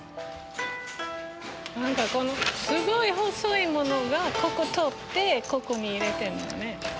何かこのすごい細いものがここ通ってここに入れてんのやね。